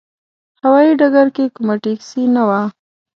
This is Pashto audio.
هوايي ډګر کې کومه ټکسي نه وه.